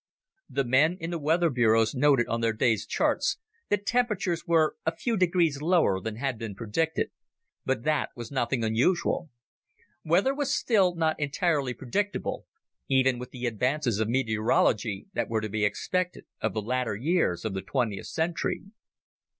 The men in the weather bureaus noted on their day's charts that temperatures were a few degrees lower than had been predicted, but that was nothing unusual. Weather was still not entirely predictable, even with the advances of meteorology that were to be expected of the latter years of the twentieth century.